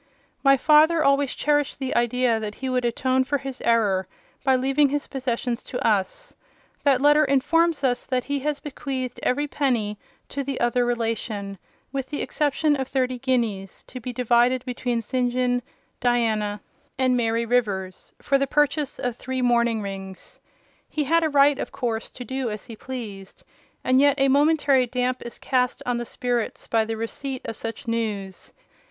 My father always cherished the idea that he would atone for his error by leaving his possessions to us; that letter informs us that he has bequeathed every penny to the other relation, with the exception of thirty guineas, to be divided between St. John, Diana, and Mary Rivers, for the purchase of three mourning rings. He had a right, of course, to do as he pleased: and yet a momentary damp is cast on the spirits by the receipt of such news.